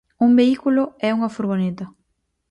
Un vehículo e unha furgoneta.